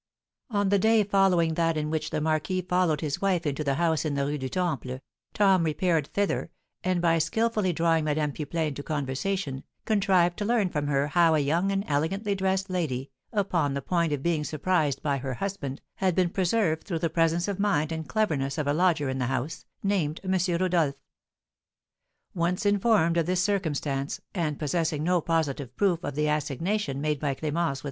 On the day following that in which the marquis followed his wife into the house in the Rue du Temple, Tom repaired thither, and, by skilfully drawing Madame Pipelet into conversation, contrived to learn from her how a young and elegantly dressed lady, upon the point of being surprised by her husband, had been preserved through the presence of mind and cleverness of a lodger in the house, named M. Rodolph. Once informed of this circumstance, and possessing no positive proof of the assignation made by Clémence with M.